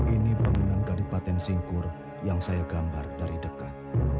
ini bangunan gadipaten singkur yang saya gambar dari dekat